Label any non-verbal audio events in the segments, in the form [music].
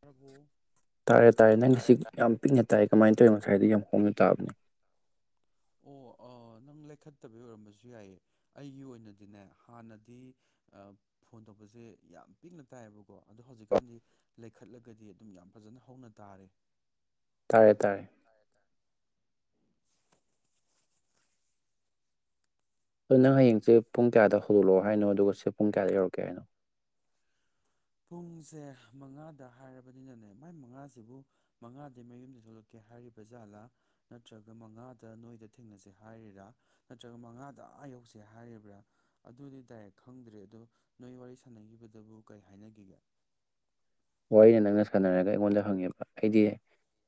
ꯇꯕꯣ ꯇꯥꯔꯦ ꯇꯥꯔꯦ ꯅꯪꯒꯤ ꯁꯤ ꯌꯥꯝ ꯄꯤꯛꯅ ꯇꯥꯏ ꯀꯃꯥꯏ ꯇꯧꯋꯤꯅꯣ ꯉꯁꯥꯏꯗꯤ ꯌꯥꯝ ꯍꯧꯅ ꯇꯥꯕꯅꯤ ꯑꯣ ꯑ ꯅꯪ ꯂꯩꯈꯠꯇꯕꯩ ꯑꯣꯏꯔꯝꯕꯁꯨ ꯌꯥꯏꯌꯦ ꯑꯩꯒꯤ ꯑꯣꯏꯅꯗꯤꯅꯦ ꯍꯥꯟꯅꯗꯤ ꯑ ꯐꯣꯟ ꯇꯧꯕꯁꯦ ꯌꯥꯝ ꯄꯤꯛꯅ ꯇꯥꯏꯌꯦꯕꯀꯣ ꯑꯗꯣ ꯍꯧꯖꯤꯛꯀꯥꯟꯗꯤ ꯂꯩꯈꯠꯂꯒꯗꯤ ꯑꯗꯨꯝ ꯌꯥꯝ ꯐꯖꯅ ꯍꯧꯅ ꯇꯥꯔꯦ ꯇꯥꯔꯦ ꯇꯥꯔꯦ ꯑꯗꯨ ꯅꯪ ꯍꯌꯦꯡꯁꯦ ꯄꯨꯡ ꯀꯌꯥꯗ ꯍꯧꯗꯣꯛꯂꯛꯑꯣ ꯍꯥꯏꯅꯣ ꯑꯗꯨꯒ ꯁꯦ ꯄꯨꯡ ꯀꯌꯥꯗ ꯌꯧꯔꯛꯀꯦ ꯍꯥꯏꯅꯣ ꯄꯨꯡꯁꯦ ꯃꯉꯥꯗ ꯍꯥꯏꯔꯕꯅꯤꯅꯅꯦ ꯃꯥꯏ ꯃꯉꯥꯁꯤꯕꯨ ꯃꯉꯥꯗꯩ ꯃꯌꯨꯝꯗꯩ ꯊꯣꯛꯂꯛꯀꯦ ꯍꯥꯏꯔꯤꯕ ꯖꯥꯠꯂꯥ ꯅꯠꯇ꯭ꯔꯒ ꯃꯉꯥꯗ ꯅꯣꯏꯗ ꯊꯦꯡꯅꯁꯦ ꯍꯥꯏꯔꯤꯔꯥ ꯅꯠꯇ꯭ꯔꯒ ꯃꯉꯥꯗ ꯑꯥ ꯌꯧꯁꯦ ꯍꯥꯏꯔꯤꯕ꯭ꯔꯥ ꯑꯗꯨꯗꯤ ꯗꯥꯏꯔꯦꯛ ꯈꯪꯗ꯭ꯔꯦ ꯑꯗꯣ ꯅꯣꯏ ꯋꯥꯔꯤ ꯁꯥꯟꯅꯈꯤꯕꯗꯨꯕꯨ ꯀꯩ ꯍꯥꯏꯅꯒꯤꯒꯦ ꯋꯥꯔꯤꯅ ꯅꯪꯅ ꯁꯥꯟꯅꯔꯒ ꯑꯩꯉꯣꯟꯗ ꯍꯪꯉꯦꯕ ꯑꯩꯗꯤ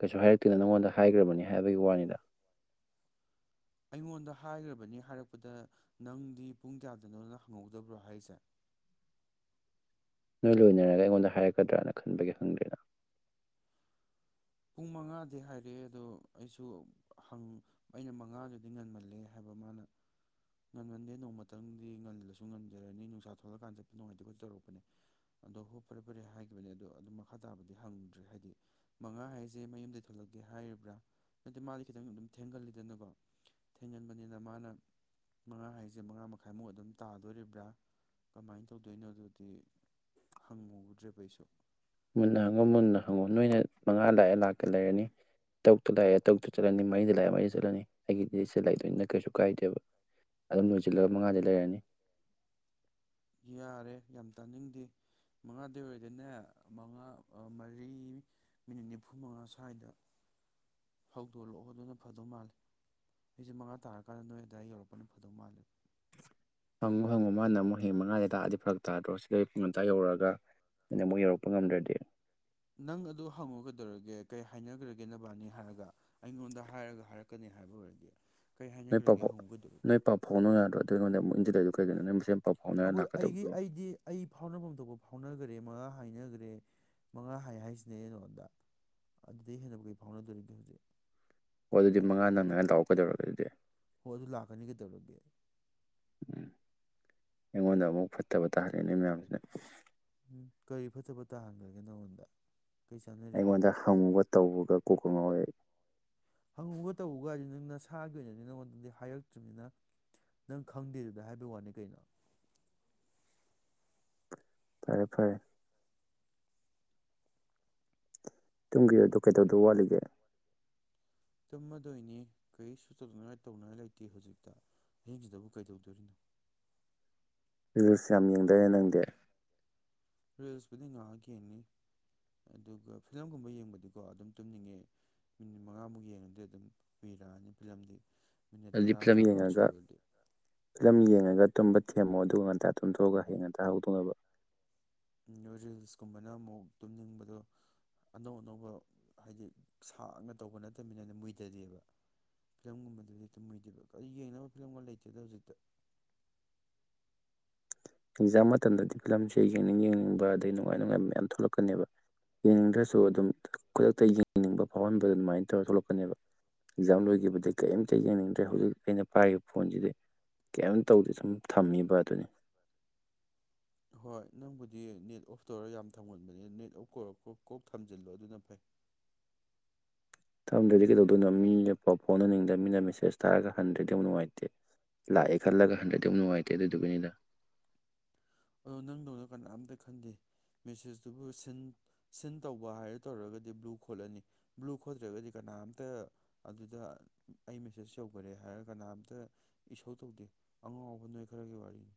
ꯀꯩꯁꯨ ꯍꯥꯏꯔꯛꯇꯦꯅ ꯅꯪꯉꯣꯟꯗ ꯍꯥꯏꯈ꯭ꯔꯕꯅꯤ ꯍꯥꯏꯕꯒꯤ ꯋꯥꯅꯤꯗ ꯑꯩꯉꯣꯟꯗ ꯍꯥꯏꯈ꯭ꯔꯕꯅꯤ ꯍꯥꯏꯔꯛꯄꯗ ꯅꯪꯗꯤ ꯄꯨꯡ ꯀꯌꯥꯗꯅꯣꯅ ꯍꯪꯍꯧꯗꯕ꯭ꯔꯣ ꯍꯥꯏꯁꯦ ꯅꯣꯏ ꯂꯣꯏꯅꯔꯒ ꯑꯩꯉꯣꯟꯗ ꯍꯥꯏꯔꯛꯀꯗ꯭ꯔꯅ ꯈꯟꯕꯒꯤ ꯍꯪꯗ꯭ꯔꯦꯅ ꯄꯨꯡ ꯃꯉꯥꯗꯤ ꯍꯥꯏꯔꯛꯑꯦ ꯑꯗꯣ ꯑꯩꯁꯨ ꯍꯪ ꯑꯩꯅ ꯃꯉꯥꯗꯨꯗꯤ ꯉꯟꯃꯜꯂꯦ ꯍꯥꯏꯕ ꯃꯥꯅ ꯉꯟꯃꯟꯗꯦ ꯅꯣꯡꯃꯇꯪꯗꯤ ꯉꯜꯂꯁꯨ ꯉꯟꯖꯔꯅꯤ ꯅꯨꯡꯁꯥ ꯊꯣꯛꯂꯛꯀꯥꯟ ꯆꯠꯄ ꯅꯨꯡꯉꯥꯏꯇꯦ ꯈꯣꯠꯇꯦ ꯇꯧꯔꯛꯄꯅꯦ ꯑꯗꯣ ꯍꯣ ꯐꯔꯦ ꯐꯔꯦ ꯍꯥꯏꯈꯤꯕꯅꯦ ꯑꯗꯣ ꯑꯗꯨꯝ ꯃꯈꯥ ꯇꯥꯕꯗꯤ ꯍꯪꯉꯨꯗ꯭ꯔꯦ ꯍꯥꯏꯕꯗꯤ ꯃꯉꯥ ꯍꯥꯏꯖꯦ ꯃꯌꯨꯝꯗꯩ ꯊꯣꯛꯂꯛꯀꯦ ꯍꯥꯏꯔꯤꯕ꯭ꯔꯥ ꯅꯠꯇꯦ ꯃꯥꯗꯤ ꯈꯤꯇꯪ ꯑꯗꯨꯝ ꯊꯦꯡꯒꯜꯂꯤꯗꯅꯀꯣ ꯊꯦꯡꯒꯟꯕꯅꯤꯅ ꯃꯥꯅ ꯃꯉꯥ ꯍꯥꯏꯁꯦ ꯃꯉꯥ ꯃꯈꯥꯏꯃꯨꯛ ꯑꯗꯨꯝ ꯇꯥꯗꯣꯔꯤꯕ꯭ꯔꯥ ꯀꯃꯥꯏ ꯇꯧꯗꯣꯏꯅꯣ ꯑꯗꯨꯗꯤ ꯍꯪꯉꯨꯗ꯭ꯔꯦꯕ ꯑꯩꯁꯨ ꯃꯨꯟꯅ ꯍꯪꯉꯣ ꯑꯗꯨ ꯃꯨꯟꯅ ꯍꯪꯉꯣ ꯅꯣꯏꯅ ꯃꯉꯥ ꯂꯥꯛꯑꯦ ꯂꯥꯛꯇꯦ ꯂꯩꯔꯅꯤ ꯇꯔꯨꯛꯇꯨ ꯂꯥꯛꯑꯦ ꯇꯔꯨꯛꯇꯨ ꯆꯠꯂꯅꯤ ꯃꯔꯤꯗ ꯂꯥꯛꯑꯦ ꯃꯔꯤꯗ ꯆꯠꯂꯅꯤ ꯑꯩꯒꯤꯗꯤ ꯁꯤ ꯂꯩꯗꯣꯏꯅꯤꯅ ꯀꯩꯁꯨ ꯀꯥꯏꯗꯦꯕ ꯑꯗꯨꯝ ꯂꯣꯏꯁꯤꯜꯂꯒ ꯃꯉꯥꯗꯩ ꯂꯩꯔꯅꯤ ꯌꯥꯔꯦ ꯌꯥꯝ ꯇꯥꯅꯤꯡꯗꯦ ꯃꯉꯥꯗꯩ ꯑꯣꯏꯔꯗꯤꯅꯦ ꯃꯉꯥ ꯑ ꯃꯔꯤ ꯃꯤꯅꯤꯠ ꯅꯤꯐꯨ ꯃꯉꯥ ꯁ꯭ꯋꯥꯏꯗ ꯍꯧꯗꯣꯛꯂꯛꯑꯣ ꯑꯗꯨꯅ ꯐꯗꯧ ꯃꯥꯜꯂꯦ ꯑꯩꯁꯦ ꯃꯉꯥ ꯇꯥꯔꯀꯥꯟꯗ ꯅꯣꯏ ꯑꯗꯨꯋꯥꯏ ꯌꯧꯔꯛꯄꯅ ꯐꯗꯧ ꯃꯥꯜꯂꯦ ꯍꯪꯉꯨ ꯍꯪꯉꯨ ꯃꯥꯅ ꯑꯃꯨꯛ ꯍꯌꯦꯡ ꯃꯉꯥꯗꯩ ꯇꯥꯛꯑꯗꯤ ꯐꯔꯛ ꯇꯥꯗ꯭ꯔꯣ ꯁꯤꯗꯩ ꯄꯨꯡ ꯉꯝꯇ ꯌꯧꯔꯛꯑꯒ ꯑꯩꯅ ꯑꯃꯨꯛ ꯌꯧꯔꯛꯄ ꯉꯝꯗ꯭ꯔꯗꯤ ꯅꯪ ꯑꯗꯨ ꯍꯪꯉꯨꯒꯩꯗꯧꯔꯒꯦ ꯀꯩ ꯍꯥꯏꯅꯈ꯭ꯔꯒꯦ ꯅꯕꯥꯅꯤ ꯍꯥꯏꯔꯒ ꯑꯩꯉꯣꯟꯗ ꯍꯥꯏꯔꯒ ꯍꯥꯏꯔꯛꯀꯅꯤ ꯍꯥꯏꯕ ꯑꯣꯏꯔꯗꯤ ꯀꯩ ꯅꯣꯏ ꯍꯥꯏꯅꯈ꯭ꯔꯒꯦ ꯄꯥꯐꯥꯎ ꯍꯪꯉꯨ ꯀꯩꯗꯧꯔꯒꯦ ꯅꯣꯏ ꯄꯥꯎꯐꯥꯎꯅꯧ ꯌꯥꯗ꯭ꯔꯣ ꯑꯗꯨ ꯑꯩꯉꯣꯟꯗ ꯃꯨꯡ [unintelligible] ꯑꯩꯈꯣꯏ ꯑꯩꯒꯤ ꯑꯩꯗꯤ ꯑꯩ ꯐꯥꯎꯅꯐꯝ ꯊꯣꯛꯄ ꯐꯥꯎꯅꯒꯔꯦ ꯇꯔꯦ ꯃꯉꯥ ꯍꯥꯏꯅꯈ꯭ꯔꯦ ꯃꯉꯥ ꯍꯥꯏ ꯍꯥꯏꯁꯤꯅꯦ ꯑꯩꯅ ꯅꯉꯪꯟꯗ ꯑꯗꯨꯗꯩ ꯍꯦꯟꯅꯕꯨ ꯀꯩ ꯐꯥꯎꯅꯗꯣꯔꯤꯒꯦ ꯍꯧꯖꯤꯛ ꯑꯣ ꯑꯗꯨꯗꯤ ꯃꯉꯥꯟ ꯅꯪꯅꯉꯥꯏ ꯂꯥꯛꯑꯣ ꯀꯩꯗꯧꯔꯒ ꯑꯗꯨꯗꯤ ꯍꯣꯏ ꯑꯗꯨ ꯂꯥꯛꯀꯅꯤ ꯀꯩꯗꯧꯔꯒꯦ ꯎꯝ ꯑꯩꯉꯣꯟꯗ ꯑꯃꯨꯛ ꯐꯠꯇꯕ ꯇꯥꯍꯜꯂꯤꯅꯦ ꯃꯌꯥꯝꯁꯤꯅ ꯀꯔꯤ ꯐꯠꯇꯕ ꯇꯥꯍꯟꯈ꯭ꯔꯒꯦ ꯅꯪꯉꯣꯟꯗ ꯑꯩꯉꯣꯟꯗ ꯍꯪꯕꯒ ꯇꯧꯕꯒ ꯀꯣꯛꯀ ꯉꯥꯎꯏ ꯑꯩ ꯍꯪꯉꯨꯒ ꯇꯧꯕꯒ ꯍꯥꯏꯁꯤ ꯅꯪ ꯅꯁꯥꯒꯤ ꯑꯣꯏꯅꯗꯤ ꯅꯪꯉꯣꯟꯗꯪꯗꯤ ꯍꯥꯏꯔꯛꯇ꯭ꯔꯤꯕꯅꯤꯅ ꯅꯪ ꯈꯪꯗꯦꯗꯨꯗ ꯍꯥꯏꯕꯒꯤ ꯋꯥꯅꯤ ꯀꯩꯅꯣ ꯐꯔꯦ ꯐꯔꯦ ꯇꯨꯡꯒꯤꯔꯣꯏꯗꯔꯣ ꯀꯩꯗꯧꯗꯣ ꯋꯥꯠꯂꯤꯒꯦ ꯇꯨꯂꯃꯗꯣꯏꯅꯤ ꯀꯔꯤꯁꯨ ꯆꯠꯅꯉꯥꯏ ꯇꯧꯅꯉꯥꯏ ꯂꯩꯇꯦ ꯍꯧꯖꯤꯛꯇ ꯑꯍꯤꯡꯁꯤꯗꯕꯨ ꯀꯩꯗꯧꯗꯣꯔꯤꯅꯣ ꯔꯤꯂꯁꯌꯥꯝ ꯌꯦꯡꯗꯥꯏꯅꯦ ꯅꯪꯗꯦ ꯔꯤꯜꯁꯄꯨꯗꯤ ꯉꯥꯏꯍꯥꯛ ꯌꯦꯡꯅꯤ ꯑꯗꯨꯒ ꯐꯤꯂꯝꯒꯨꯝꯕ ꯌꯦꯡꯕꯗꯤꯀꯣ ꯑꯗꯨꯝ ꯇꯨꯝꯅꯤꯡꯉꯦ ꯃꯤꯅꯤꯠ ꯃꯉꯥꯃꯨꯛ ꯌꯦꯡꯉꯗꯤ ꯑꯗꯨꯝ ꯀꯨꯏꯔꯛꯑꯅꯤ ꯐꯤꯂꯝꯗꯤ ꯃꯤꯅꯤꯠ ꯑꯗꯨꯗꯤ ꯇꯔꯥ ꯐꯤꯂꯝ ꯇꯔꯥꯃꯉꯥ ꯌꯦꯡꯉꯒ ꯁꯨꯕꯗꯗꯤ ꯐꯤꯂꯝ ꯌꯦꯡꯉꯒ ꯇꯨꯝꯕ ꯊꯦꯝꯃꯣ ꯑꯗꯨꯒ ꯉꯟꯇꯥ ꯇꯨꯝꯊꯣꯛꯑꯒ ꯍꯌꯦꯡ ꯉꯟꯇꯥ ꯍꯧꯗꯣꯛꯅꯕ ꯔꯤꯜꯁꯀꯨꯝꯕꯅ ꯑꯃꯨꯛ ꯇꯨꯝꯅꯤꯡꯕꯗꯣ ꯑꯅꯧ ꯑꯅꯧꯕ ꯍꯥꯏꯗꯤ ꯁꯥꯡꯅ ꯇꯧꯕ ꯅꯠꯇꯅꯤꯅ ꯑꯗꯨꯝ ꯃꯨꯏꯗꯗꯦꯕ ꯐꯤꯂꯝꯒꯨꯝꯕꯗꯨꯗꯤ ꯇꯨꯝꯃꯨꯏꯗꯦꯕ ꯀꯔꯤ ꯌꯦꯡꯅꯕ ꯐꯤꯂꯝꯒ ꯂꯩꯇꯦꯗ ꯍꯧꯖꯤꯛꯇ ꯑꯦꯛꯖꯥꯝ ꯃꯇꯝꯗꯗꯤ ꯐꯤꯂꯝꯁꯦ ꯌꯦꯡꯅꯤꯡ ꯌꯦꯡꯅꯤꯡꯕ ꯑꯗꯩ ꯅꯨꯡꯉꯥꯏ ꯅꯨꯡꯉꯥꯏꯕ ꯃꯌꯥꯝ ꯊꯣꯛꯂꯛꯀꯅꯦꯕ ꯌꯦꯡꯅꯤꯡꯗ꯭ꯔꯁꯨ ꯑꯗꯨꯝ ꯈꯨꯗꯛꯇ ꯌꯦꯡꯅꯤꯡꯕ ꯐꯥꯎꯍꯟꯕꯗ ꯑꯗꯨꯃꯥꯏꯅ ꯇꯧꯔꯒ ꯊꯣꯛꯂꯛꯀꯅꯦꯕ ꯑꯦꯛꯖꯥꯝ ꯂꯣꯏꯈꯤꯕꯗ ꯀꯔꯤꯝꯇ ꯌꯦꯡꯅꯤꯡꯗ꯭ꯔꯦ ꯍꯧꯖꯤꯛ ꯑꯩꯅ ꯄꯥꯏꯔꯤꯕ ꯐꯣꯟꯁꯤꯗꯤ ꯀꯔꯤꯝ ꯇꯧꯗꯦ ꯁꯝ ꯊꯝꯃꯤꯕ ꯑꯗꯨꯅꯤ ꯍꯣꯏ ꯅꯪꯕꯨꯗꯤ ꯅꯦꯠ ꯑꯣꯐ ꯇꯧꯔ ꯌꯥꯝ ꯊꯝꯒꯟꯕꯅꯦ ꯅꯦꯠ ꯑꯣꯐ ꯀꯧ ꯀꯣꯛ ꯊꯝꯖꯤꯜꯂꯣ ꯑꯗꯨꯅ ꯐꯩ ꯊꯝꯗ꯭ꯔꯗꯤ ꯀꯩꯗꯧꯗꯣꯏꯅꯣ ꯃꯤꯅꯥꯎ ꯐꯥꯎꯅꯅꯤꯡꯗꯕ ꯃꯤꯅ ꯃꯦꯁꯦꯁ ꯊꯥꯔꯒ ꯍꯟꯗ꯭ꯔꯗꯤ ꯑꯃꯛ ꯅꯨꯡꯉꯥꯏꯇꯦ ꯂꯥꯛꯑꯦ ꯈꯜꯂꯒ ꯍꯟꯗ꯭ꯔꯗꯤ ꯌꯥꯃꯨꯛ ꯅꯨꯡꯉꯥꯏꯇꯦ ꯑꯗꯨꯗꯨꯒꯤꯅꯤꯗ ꯑꯗꯣ ꯅꯪꯗꯧꯅ ꯀꯅꯥꯝꯇ ꯈꯟꯗꯦ ꯃꯦꯁꯦꯖꯇꯨꯕꯨ ꯁꯤꯟ ꯁꯤꯟ ꯇꯧꯕ ꯍꯥꯏꯔ ꯇꯧꯔꯒꯗꯤ ꯕ꯭ꯂꯨ ꯈꯣꯠꯂꯅꯤ ꯕ꯭ꯂꯨ ꯈꯣꯠꯇ꯭ꯔꯒꯗꯤ ꯀꯅꯥꯝꯇ ꯑꯗꯨꯗ ꯑꯩ ꯃꯦꯁꯦꯖ ꯌꯧꯈꯔꯦ ꯍꯥꯏꯔꯒ ꯀꯅꯥꯝꯇ ꯏꯁꯣ ꯇꯧꯗꯦ ꯑꯉꯥꯎꯕ ꯅꯣꯏ ꯈꯥꯔꯒꯤ ꯋꯥꯔꯤꯅꯤ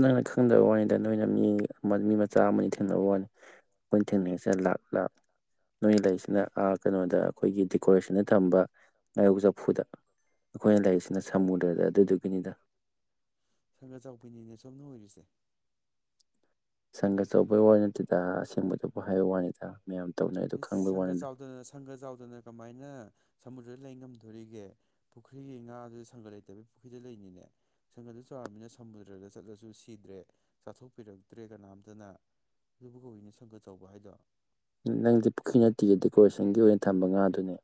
ꯅꯪꯅ ꯈꯪꯗꯕ ꯋꯥꯅꯤꯗ ꯅꯣꯏꯅ ꯃꯤ ꯃꯤ ꯃꯆꯥ ꯑꯃꯅꯤ ꯊꯦꯡꯅꯕ ꯋꯥꯅꯤ ꯑꯩꯈꯣꯏꯅ ꯊꯦꯡꯅꯔꯤꯁꯤꯗ ꯂꯥꯥꯛ ꯂꯥꯥꯛ ꯅꯣꯏꯅ ꯂꯩꯔꯤꯁꯤꯅ ꯀꯩꯅꯣꯗ ꯑꯩꯈꯣꯏꯒꯤ ꯗꯦꯀꯣꯔꯦꯁꯟꯅ ꯊꯝꯕ ꯉꯥꯌꯣꯛ ꯆꯐꯨꯗ ꯑꯩꯈꯣꯏꯅ ꯂꯩꯔꯤꯁꯤꯅ ꯁꯃꯨꯗ꯭ꯔꯗ ꯑꯗꯨꯗꯨꯒꯤꯅꯤꯗ ꯁꯪꯒ ꯆꯥꯎꯕꯤꯅꯤꯅꯦ ꯁꯣꯝꯅ ꯑꯣꯏꯔꯤꯁꯦ ꯁꯪꯒꯆꯧꯕꯩ ꯋꯥ ꯅꯠꯇꯦꯗ ꯑꯁꯦꯡꯕꯗꯨꯕꯨ ꯍꯥꯏꯕ ꯋꯥꯅꯤꯗ ꯃꯌꯥꯝ ꯇꯧꯅꯩ ꯑꯗꯨ ꯏꯁ ꯈꯪꯕꯩ ꯁꯪꯒ ꯋꯥꯅꯤꯗ ꯆꯥꯎꯗꯅ ꯁꯪꯒ ꯆꯥꯎꯗꯅ ꯀꯃꯥꯏꯅ ꯁꯃꯨꯗ꯭ꯔꯗ ꯂꯩ ꯉꯝꯗꯣꯔꯤꯒꯦ ꯄꯨꯈ꯭ꯔꯤꯒꯤ ꯉꯥꯗꯨꯗ ꯁꯪꯒ ꯂꯩꯇꯕꯒꯤ ꯄꯨꯈ꯭ꯔꯤꯗ ꯂꯩꯅꯤꯅꯦ ꯁꯪꯒꯗꯨ ꯆꯥꯎꯔꯕꯃꯤꯅ ꯁꯃꯨꯗ꯭ꯔꯗ ꯆꯠꯂꯁꯨ ꯁꯤꯗ꯭ꯔꯦ ꯆꯥꯊꯣꯛꯄꯤꯔꯛꯇ꯭ꯔꯦ ꯀꯅꯥꯝꯇꯅ ꯑꯗꯨꯕꯨ ꯀꯧꯏꯅꯦ ꯁꯪꯒ ꯆꯥꯎꯧꯕ ꯍꯥꯏꯗꯣ ꯅꯪꯗꯤ ꯄꯨꯈ꯭ꯔꯤ ꯅꯠꯇꯦꯒ ꯗꯦꯀꯣꯔꯦꯁꯟꯒꯤ ꯑꯣꯏꯅ ꯊꯝꯕ ꯉꯥꯗꯨꯅꯦ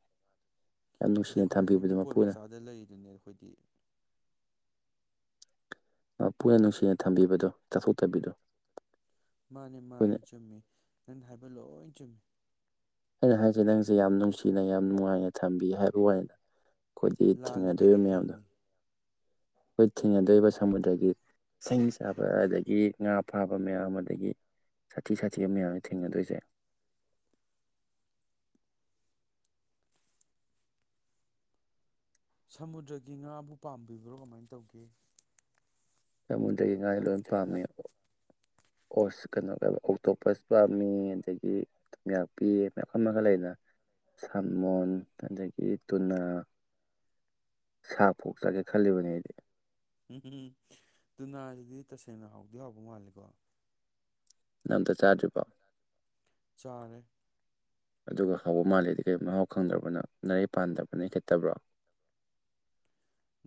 ꯌꯥꯝ ꯅꯨꯡꯁꯤꯅ ꯗꯦꯀꯣꯔꯦꯁꯟꯒꯤ ꯊꯝꯕꯤꯕꯗꯣ ꯄꯣꯠ ꯃꯄꯨꯅ ꯃꯆꯥꯗ ꯂꯩꯔꯤꯗꯨꯅꯦ ꯑꯩꯈꯣꯏꯗꯤ ꯃꯄꯨꯅ ꯅꯨꯡꯁꯤꯅ ꯊꯝꯕꯤꯕꯗꯣ ꯆꯥꯊꯣꯛ ꯇꯥꯕꯤꯗꯣ ꯃꯥꯅꯦ ꯃꯥꯅꯦ ꯆꯨꯝꯃꯤ ꯅꯪ ꯍꯥꯏꯕ ꯅꯪ ꯂꯣꯏ ꯆꯨꯝꯃꯦ ꯑꯩꯅ ꯍꯥꯏꯁꯩ ꯅꯪꯁꯦ ꯌꯥꯝ ꯅꯨꯡꯁꯤꯅ ꯌꯥꯝ ꯅꯨꯡꯉꯥꯏꯅ ꯊꯝꯕꯤ ꯍꯥꯏꯕ ꯋꯥꯅ ꯑꯩꯈꯣꯏꯗꯤ ꯂꯥꯜꯂꯤꯕꯗꯤ ꯊꯦꯡꯅꯗꯧꯔꯤꯕ ꯃꯌꯥꯝꯗꯣ ꯑꯩꯅꯤ ꯑꯩꯈꯣꯏ ꯊꯦꯡꯅꯗꯣꯏꯕ ꯁꯃꯨꯗ꯭ꯔꯒꯤ ꯁꯥꯍꯤꯡ ꯆꯥꯕ ꯑꯗꯒꯤ ꯉꯥ ꯐꯥꯕ ꯃꯌꯥꯝ ꯑꯗꯒꯤ ꯁꯥꯊꯤ ꯁꯥꯊꯤꯕ ꯃꯌꯥꯝꯁ ꯊꯦꯡꯅꯗꯣꯏꯁꯦ ꯁꯃꯨꯗ꯭ꯔꯒꯤ ꯉꯥꯕꯨ ꯄꯥꯝꯕꯤꯕ꯭ꯔꯣ ꯀꯃꯥꯏꯅ ꯇꯧꯒꯦ ꯁꯃꯨꯗ꯭ꯔꯒꯤ ꯉꯥꯗꯤ ꯂꯣꯏ ꯄꯥꯝꯃꯦ ꯀꯩꯅꯣꯒ ꯑꯣꯛꯇꯣꯞꯄꯁ ꯄꯥꯝꯃꯤ ꯑꯗꯒꯤ ꯊꯨꯝꯌꯥꯛꯄꯤ ꯑꯗꯩ ꯃꯌꯥꯝ ꯑꯃꯒ ꯂꯩꯗꯅ ꯁꯥꯃꯣꯟ ꯑꯗꯒꯤ ꯇꯨꯅꯥ ꯁꯥꯛ ꯄꯣꯛ ꯆꯥꯒꯦ ꯈꯜꯂꯤꯕꯅꯦ ꯑꯩꯗꯤ ꯎꯝ ꯎꯝ ꯇꯨꯅꯥꯁꯤꯗꯤ ꯇꯁꯦꯡꯅ ꯍꯥꯎꯗꯤ ꯍꯥꯎꯕ ꯃꯥꯜꯂꯦꯀꯣ ꯅꯪ ꯑꯝꯇ ꯆꯥꯗ꯭ꯔꯤ ꯕꯣ ꯆꯥꯔꯦ ꯑꯗꯨꯒ ꯍꯧꯕ ꯃꯥꯜꯂꯤꯗꯤ ꯀꯔꯤ ꯃꯍꯥꯎ ꯈꯪꯗ꯭ꯔꯕꯣ ꯅꯥꯔꯩ ꯄꯥꯟꯗꯕꯔ ꯅꯔꯩ ꯈꯦꯠꯇꯕ꯭ꯔ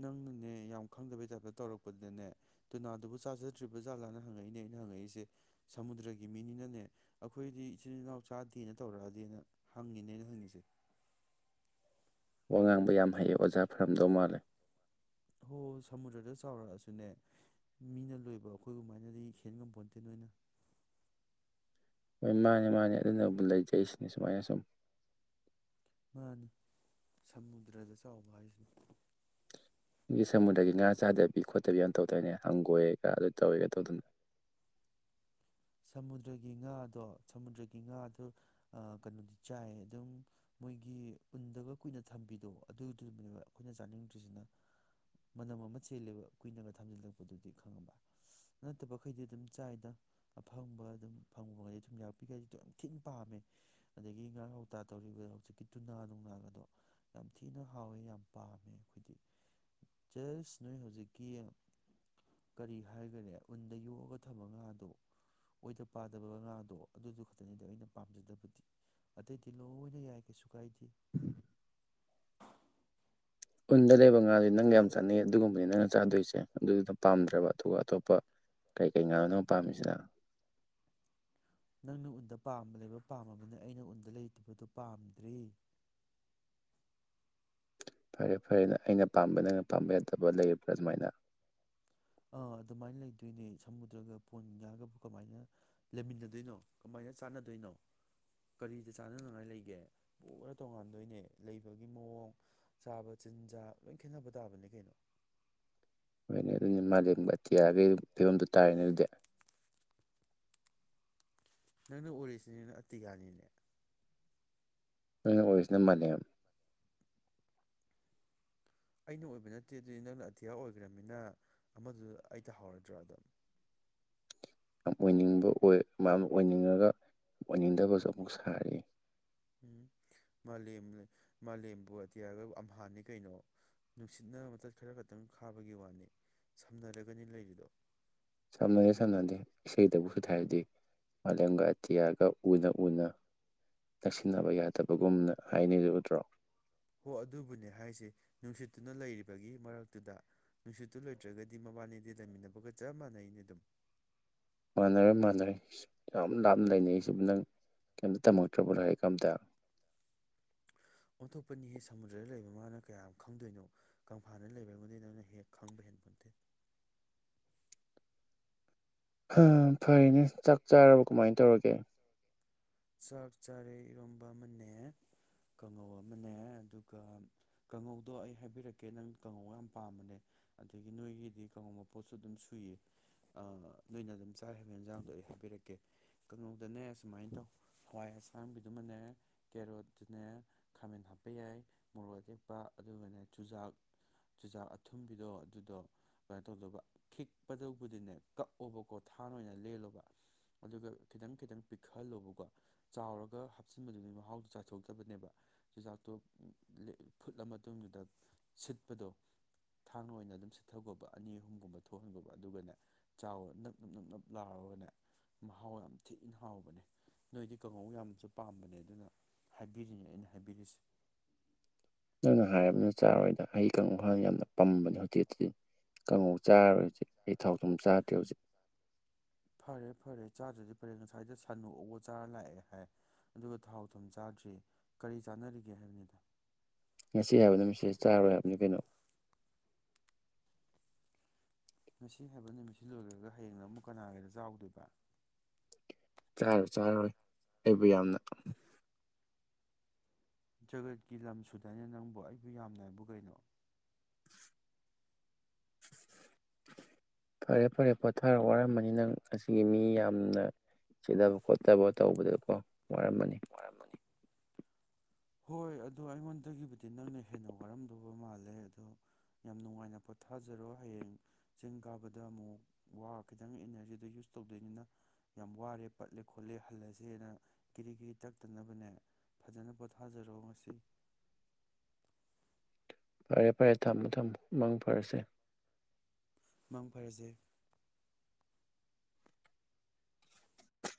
ꯅꯪꯅꯅꯦ ꯌꯥꯝ ꯈꯪꯗꯕꯩ ꯇꯥꯏꯞꯇ ꯇꯧꯔꯛꯄꯗꯅꯦ ꯇꯨꯅꯥꯗꯨꯕꯨ ꯆꯥꯖꯗ꯭ꯔꯤꯕ꯭ꯔ ꯖꯥꯠꯂꯥꯅ ꯍꯪꯉꯛꯏꯅꯦ ꯑꯩꯅ ꯍꯪꯉꯛꯏꯁꯦ ꯁꯃꯨꯗ꯭ꯔꯒꯤ ꯃꯤꯅꯤꯅꯅꯦ ꯑꯩꯈꯣꯏꯗꯤ ꯏꯆꯤꯜ ꯏꯅꯥꯎ ꯆꯥꯗꯦꯅ ꯇꯧꯔꯛꯑꯗꯤꯦꯅ ꯍꯪꯉꯤꯅꯦ ꯑꯩꯅ ꯍꯪꯉꯤꯁꯦ ꯋꯥ ꯉꯥꯡꯕ ꯌꯥꯝ ꯍꯩꯌꯦ ꯑꯣꯖꯥ ꯐꯔꯝꯗꯧ ꯃꯥꯜꯂꯦ ꯍꯣꯏ ꯁꯃꯨꯗ꯭ꯔꯗ ꯆꯥꯎꯔꯛꯑꯁꯨꯅꯦ ꯃꯤꯅ ꯂꯣꯏꯕ ꯑꯩꯈꯣꯏ ꯑꯗꯨꯃꯥꯏꯅꯗꯤ ꯍꯦꯟꯉꯝꯄꯣꯟꯇꯦ ꯅꯣꯏꯅ ꯍꯣꯏ ꯃꯥꯅꯦ ꯃꯥꯅꯦ ꯑꯗꯨꯅꯕꯨ ꯂꯩꯖꯩꯁꯤꯅꯤ ꯁꯨꯃꯥꯏꯅ ꯁꯨꯝ ꯁꯃꯨꯗ꯭ꯔꯗ ꯆꯥꯎꯕ ꯍꯥꯏꯁꯤꯅꯤ ꯒꯤ ꯁꯃꯨꯗ꯭ꯔꯒꯤ ꯉꯥ ꯆꯥꯗꯕꯤ ꯈꯣꯠꯇꯕꯤ ꯑꯃ ꯇꯧꯗꯣꯏꯅꯦ ꯍꯪꯒꯣꯏꯑꯒ ꯑꯗꯨ ꯇꯧꯋꯦꯒ ꯇꯧꯗꯅ ꯁꯃꯨꯗ꯭ꯔꯒꯤ ꯉꯥꯗꯣ ꯁꯃꯨꯗ꯭ꯔꯒꯤ ꯉꯥꯗꯣ ꯀꯩꯅꯣꯗꯤ ꯆꯥꯏ ꯑꯗꯨꯝ ꯃꯣꯏꯒꯤ ꯎꯟꯗꯒ ꯀꯨꯏꯅ ꯊꯝꯕꯤꯗꯣ ꯑꯗꯨꯗꯨꯅꯦꯕ ꯑꯩꯈꯣꯏꯅ ꯆꯥꯅꯤꯡꯗ꯭ꯔꯤꯁꯤꯅ ꯃꯅꯝ ꯑꯃ ꯆꯦꯜꯂꯦꯕ ꯀꯨꯏꯅꯒ ꯊꯝꯖꯤꯜꯂꯛꯄꯗꯨꯗꯤ ꯈꯪꯉꯝꯕ ꯅꯠꯇꯕꯈꯩꯗꯤ ꯑꯗꯨꯝ ꯆꯥꯏꯗ ꯑꯐꯪꯕ ꯑꯗꯨꯝ ꯐꯪꯉꯣꯏ ꯊꯨꯝꯌꯥꯛꯄꯤꯒꯇꯣ ꯌꯥꯝ ꯊꯤꯟ ꯄꯥꯝꯃꯦ ꯑꯗꯒꯤ ꯉꯥꯎꯇꯥ ꯇꯧꯔꯤꯕꯗꯣ ꯍꯧꯖꯤꯛꯀꯤ ꯇꯨꯅꯥ ꯅꯨꯡꯅꯥꯒꯗꯣ ꯌꯥꯝ ꯊꯤꯅ ꯍꯥꯎꯋꯦ ꯌꯥꯝ ꯄꯥꯝꯃꯦ ꯑꯩꯈꯣꯏꯗꯤ ꯖꯁ ꯅꯣꯏ ꯍꯧꯖꯤꯛꯀꯤ ꯀꯔꯤ ꯍꯥꯏꯒꯔꯦ ꯎꯟꯗ ꯌꯣꯛꯑꯒ ꯊꯝꯃ ꯉꯥꯗꯣ ꯑꯣꯏꯗ ꯄꯥꯗꯕ ꯉꯥꯗꯣ ꯑꯗꯨꯗꯨ ꯈꯛꯇꯅꯤꯗ ꯑꯩꯅ ꯄꯥꯝꯖꯗꯕꯗꯤ ꯑꯇꯩꯗꯤ ꯂꯣꯏꯅ ꯌꯥꯏ ꯀꯩꯁꯨ ꯀꯥꯏꯗꯦ ꯎꯟꯗ ꯂꯩꯕ ꯉꯥꯗꯤ ꯅꯪꯒ ꯌꯥꯝ ꯆꯥꯅꯩ ꯑꯗꯨꯒꯨꯝꯕꯗꯨꯅꯦ ꯅꯪꯅ ꯆꯥꯗꯣꯏꯁꯦ ꯑꯗꯨꯅ ꯄꯥꯝꯗ꯭ꯔꯕ ꯑꯗꯨ ꯑꯇꯣꯞꯄ ꯀꯩ ꯀꯩ ꯉꯥꯅꯣ ꯅꯪ ꯄꯥꯝꯃꯤꯁꯤꯅ ꯅꯪꯅ ꯎꯟꯗ ꯄꯥꯝꯅ ꯂꯩꯕ ꯄꯥꯝꯃꯅꯤꯅ ꯑꯩꯅ ꯎꯟꯗ ꯂꯩꯇꯕꯗꯣ ꯄꯥꯝꯗ꯭ꯔꯦ ꯐꯔꯦ ꯐꯔꯦꯅꯦ ꯑꯩꯅ ꯄꯥꯝꯕ ꯅꯪꯅ ꯄꯥꯝꯕ ꯌꯥꯗꯕ ꯂꯩꯔꯤꯕ꯭ꯔ ꯑꯗꯨꯃꯥꯏꯅ ꯑꯥ ꯑꯗꯨꯃꯥꯏꯅ ꯂꯩꯗꯣꯏꯅꯦ ꯁꯃꯨꯗ꯭ꯔꯒ ꯄꯣꯟꯒꯤ ꯉꯥꯒꯕꯨ ꯀꯃꯥꯏꯅ ꯂꯩꯃꯤꯟꯅꯗꯣꯏꯅꯣ ꯀꯃꯥꯏꯅ ꯆꯥꯟꯅꯗꯣꯏꯅꯣ ꯀꯔꯤꯗ ꯆꯥꯅꯅꯉꯥꯏ ꯂꯩꯒꯦ ꯄꯨꯔ ꯇꯣꯡꯉꯥꯟꯗꯣꯏꯅꯦ ꯂꯩꯕꯒꯤ ꯃꯑꯣꯡ ꯆꯥꯕ ꯆꯤꯟꯖꯥꯛ ꯂꯣꯏ ꯈꯦꯠꯅꯕ ꯇꯥꯕꯅꯦ ꯀꯩꯅꯣ ꯍꯣꯏꯅꯦ ꯑꯗꯨꯅꯤ ꯃꯥꯂꯦꯝ ꯑꯇꯤꯌꯥꯒꯤ ꯐꯤꯕꯝꯗꯨ ꯇꯥꯔꯦꯅꯦ ꯑꯗꯨꯗꯤ ꯅꯪꯅ ꯑꯣꯢꯔꯤꯁꯤꯅ ꯑꯇꯤꯌꯥꯅꯤꯅꯦ ꯅꯪꯅ ꯑꯣꯏꯁꯤꯅ ꯃꯥꯂꯦꯝ ꯑꯩꯅ ꯑꯣꯏꯕ ꯅꯠꯇꯦ ꯑꯗꯨꯗꯤ ꯅꯪꯅ ꯑꯇꯤꯌꯥ ꯑꯣꯏꯒ꯭ꯔꯝꯅꯤꯅ ꯑꯃꯗꯨ ꯑꯩ ꯇꯥꯍꯧꯔꯗ꯭ꯔꯣ ꯑꯗꯨꯝ ꯌꯥꯝ ꯑꯣꯏꯅꯤꯡꯕ ꯑꯣꯏ ꯃꯥ ꯑꯣꯏꯅꯤꯡꯉꯒ ꯑꯣꯏꯅꯤꯡꯗꯕꯁꯨ ꯑꯃꯨꯛ ꯁꯥꯔꯤ ꯎꯝ ꯃꯥꯂꯦꯝ ꯃꯥꯂꯦꯝꯕꯨ ꯑꯇꯤꯌꯥꯒ ꯑꯝꯍꯥꯟꯅꯤ ꯀꯩꯅꯣ ꯅꯨꯡꯁꯤꯠꯅ ꯃꯇꯠ ꯈꯔ ꯈꯛꯇꯪ ꯈꯥꯕꯒꯤ ꯋꯥꯅꯤ ꯁꯝꯅꯔꯒꯅꯤ ꯂꯩꯔꯤꯗꯣ ꯁꯝꯅꯗꯦ ꯁꯝꯅꯗꯦ ꯏꯁꯩꯗꯕꯨ ꯊꯥꯔꯗꯤ ꯃꯥꯂꯦꯝꯒ ꯑꯇꯤꯌꯥꯒ ꯎꯅ ꯎꯅ ꯅꯛꯁꯤꯟꯅꯕ ꯌꯥꯗꯕꯒꯨꯝꯅ ꯍꯥꯏꯅꯔꯤꯗꯨ ꯎꯔꯣ ꯍꯣ ꯑꯗꯨꯕꯨꯅꯦ ꯍꯥꯏꯁꯦ ꯅꯨꯡꯁꯤꯠꯇꯨꯅ ꯂꯩꯔꯤꯕꯒꯤ ꯃꯔꯛꯇꯨꯗ ꯅꯨꯡꯁꯤꯠꯇꯨ ꯂꯩꯇ꯭ꯔꯒꯗꯤ ꯃꯕꯥꯅꯤꯗꯤ ꯂꯩꯃꯤꯟꯅꯕꯒ ꯆꯞ ꯃꯥꯟꯅꯩꯅꯦ ꯑꯗꯨꯝ ꯃꯥꯟꯅꯔꯣꯢ ꯃꯥꯟꯅꯔꯣꯢ ꯏꯁ ꯌꯥꯝ ꯂꯥꯞꯅ ꯂꯩꯅꯩꯁꯤꯕꯨ ꯅꯪ ꯀꯩꯝꯇ ꯇꯝꯃꯛꯇ꯭ꯔꯕꯣ ꯂꯥꯏꯔꯤꯛꯀ ꯑꯝꯇ ꯑꯣꯟꯊꯣꯛꯄꯅꯤ ꯍꯦ ꯁꯃꯨꯗ꯭ꯔꯗ ꯂꯩꯕ ꯃꯥꯅ ꯀꯌꯥꯝ ꯈꯪꯗꯣꯏꯅꯣ ꯀꯪꯐꯥꯜꯗ ꯂꯩꯕ ꯑꯩꯉꯣꯟꯗꯒꯤ ꯅꯪꯅ ꯍꯦꯟ ꯈꯪ ꯍꯦꯟꯄꯣꯟꯇꯦ ꯍꯥ ꯐꯔꯦꯅꯦ ꯆꯥꯛ ꯆꯥꯔꯕꯣ ꯀꯃꯥꯏ ꯇꯧꯔꯒꯦ ꯆꯥꯛ ꯆꯥꯔꯦ ꯏꯔꯣꯝꯕ ꯑꯃꯅꯦ ꯀꯥꯡꯉꯧ ꯑꯃꯅꯦ ꯑꯗꯨꯒ ꯀꯥꯡꯍꯧꯗꯣ ꯑꯩ ꯍꯥꯏꯕꯤꯔꯛꯀꯦ ꯅꯪ ꯀꯥꯡꯉꯧ ꯌꯥꯝ ꯄꯥꯝꯕꯅꯦ ꯑꯗꯒꯤ ꯅꯣꯏꯒꯤꯗꯤ ꯀꯥꯡꯉꯧ ꯃꯄꯣꯠꯁꯨ ꯑꯗꯨꯝ ꯁꯨꯏ ꯑꯥ ꯅꯣꯏꯅ ꯑꯗꯨꯝ ꯆꯥꯔꯤꯕ ꯍꯦꯟꯖꯥꯡꯗꯣ ꯑꯩ ꯍꯥꯏꯕꯤꯔꯛꯀꯦ ꯀꯥꯡꯉꯧꯗꯅꯦ ꯁꯨꯃꯥꯏꯅ ꯇꯧ ꯍꯋꯥꯏ ꯑꯁꯥꯡꯕꯤꯗꯨꯃꯅꯦ ꯀꯦꯔꯣꯠꯇꯨꯅꯦ ꯈꯥꯃꯦꯟ ꯍꯥꯞꯄ ꯌꯥꯏ ꯃꯣꯔꯣꯛ ꯑꯇꯦꯛꯄ ꯑꯗꯨꯒꯅꯦ ꯆꯨꯖꯥꯛ ꯆꯨꯖꯥꯛ ꯑꯊꯨꯝꯕꯤꯗꯣ ꯑꯗꯨꯗꯣ ꯀꯩꯅꯣ ꯇꯧꯗꯧꯕ ꯈꯤꯛꯄꯗꯨꯕꯨꯗꯤꯅꯦ ꯀꯛꯑꯣꯕꯀꯣ ꯊꯥꯟ ꯑꯣꯏꯅ ꯂꯦꯜꯂꯣꯕ ꯑꯗꯨꯒ ꯈꯤꯇꯪ ꯈꯤꯇꯪ ꯄꯤꯛꯍꯜꯂꯣꯕꯀꯣ ꯆꯥꯎꯔꯒ ꯍꯥꯞꯆꯤꯟꯕꯗꯨꯒꯤ ꯃꯍꯥꯎꯗꯨ ꯆꯥꯊꯣꯛꯇꯕꯅꯦꯕ ꯆꯨꯖꯥꯛꯇꯣ ꯐꯨꯠꯂ ꯃꯇꯨꯡꯗꯨꯗ ꯁꯤꯠꯄꯗꯣ ꯊꯥꯡ ꯑꯣꯏꯅ ꯑꯗꯨꯝ ꯁꯤꯠꯊꯒꯣꯕ ꯑꯅꯤ ꯑꯍꯨꯝꯒꯨꯝꯕ ꯊꯣꯛꯍꯟꯒꯣꯕ ꯑꯗꯨꯒꯅꯦ ꯆꯥꯎꯑꯣ ꯅꯞ ꯅꯞ ꯅꯞ ꯅꯞ ꯂꯥꯎꯔꯒꯅꯦ ꯃꯍꯥꯎ ꯌꯥꯝ ꯊꯤꯅ ꯍꯥꯎꯕꯅꯦ ꯅꯣꯏꯗꯤ ꯀꯥꯡꯍꯧ ꯌꯥꯝꯁꯨ ꯄꯥꯝꯕꯅꯦ ꯑꯗꯨꯅ ꯍꯥꯏꯕꯤꯔꯤꯅꯦ ꯑꯩꯅ ꯍꯥꯏꯕꯤꯔꯤꯁꯤ ꯅꯪꯅ ꯍꯥꯏꯔꯕꯅꯤꯅ ꯆꯥꯔꯣꯏꯗ ꯑꯩ ꯀꯥꯡꯉꯧ ꯍꯥꯟꯅ ꯌꯥꯝꯅ ꯄꯝꯕꯅꯦ ꯍꯧꯖꯤꯛꯗꯤ ꯀꯥꯡꯉꯧ ꯆꯥꯔꯔꯣꯏ ꯍꯧꯖꯤꯛ ꯑꯩ ꯊꯥꯎ ꯊꯨꯝ ꯆꯥꯗ꯭ꯔꯦ ꯍꯧꯖꯤꯛ ꯐꯔꯦ ꯐꯔꯦ ꯆꯥꯗ꯭ꯔꯗꯤ ꯐꯔꯦ ꯉꯁꯥꯏꯗ ꯁꯟ ꯑꯣꯛ ꯆꯥꯔ ꯂꯥꯛꯑꯦ ꯍꯥꯏ ꯑꯗꯨꯒ ꯊꯥꯎ ꯊꯨꯝ ꯆꯥꯗ꯭ꯔꯦ ꯀꯔꯤ ꯆꯥꯅꯔꯤꯒꯦ ꯍꯥꯏꯕꯅꯤꯗ ꯉꯁꯤ ꯍꯥꯏꯕ ꯅꯨꯃꯤꯠꯁꯤꯗꯩ ꯆꯥꯔꯣꯏ ꯍꯥꯏꯕꯅꯤ ꯀꯩꯅꯣ ꯉꯁꯤ ꯍꯥꯏꯕ ꯅꯨꯃꯤꯠꯁꯤ ꯂꯣꯏꯈ꯭ꯔꯒ ꯍꯌꯦꯡꯅ ꯑꯃꯨꯛ ꯀꯅꯥꯒꯤꯗ ꯆꯥꯎꯗꯣꯏꯕ ꯆꯔ ꯆꯥꯔꯔꯣꯏ ꯑꯩꯕꯨ ꯌꯥꯝꯅ ꯖꯒꯠꯀꯤ ꯂꯝ ꯁꯨꯗꯥꯏꯅꯦ ꯅꯪꯕꯨ ꯑꯩꯕꯨ ꯌꯥꯝꯅ ꯍꯥꯏꯕꯨ ꯀꯩꯅꯣ ꯐꯔꯦ ꯐꯔꯦ ꯄꯣꯊꯥꯔꯣ ꯋꯥꯔꯃꯅꯤ ꯅꯪ ꯉꯁꯤꯒꯤ ꯃꯤ ꯌꯥꯝꯅ ꯁꯤꯗꯕ ꯈꯣꯠꯊꯕ ꯇꯧꯕꯗꯀꯣ ꯋꯥꯔꯝ ꯋꯤꯔꯝꯃꯅꯤ ꯍꯣꯏ ꯑꯗꯣ ꯑꯩꯉꯣꯟꯗꯒꯤꯕꯨꯗꯤ ꯅꯪꯅ ꯍꯦꯟꯅ ꯋꯥꯔꯝꯗꯧꯕ ꯃꯥꯜꯂꯦ ꯑꯗꯣ ꯌꯥꯝ ꯅꯨꯡꯉꯥꯏꯅ ꯄꯣꯊꯥꯖꯔꯣ ꯍꯌꯦꯡ ꯆꯤꯡ ꯀꯥꯕꯗ ꯑꯃꯨꯛ ꯋꯥ ꯈꯤꯇꯪ ꯏꯅꯔꯖꯤꯗꯣ ꯌꯨꯁ ꯇꯧꯗꯣꯏꯅꯤꯅ ꯌꯥꯝ ꯋꯥꯔꯦ ꯄꯠꯂꯦ ꯈꯣꯠꯂꯦ ꯍꯜꯂꯁꯦꯅ ꯀꯤꯔꯤ ꯀꯤꯔꯤ ꯇꯛꯇꯅꯕꯅꯦ ꯐꯖꯅ ꯄꯣꯥ ꯊꯥꯖꯔꯣ ꯉꯁꯤ [inaudible] ꯐꯔꯦ ꯐꯔꯦ ꯊꯝꯃꯦ ꯊꯝꯃꯦ ꯅꯪ ꯐꯔꯁꯦ ꯃꯪ ꯐꯔꯁꯦ